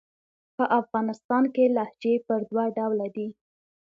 په افغانستان کښي لهجې پر دوه ډوله دي.